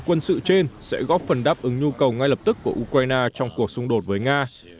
quân sự trên sẽ góp phần đáp ứng nhu cầu ngay lập tức của ukraine trong cuộc xung đột với nga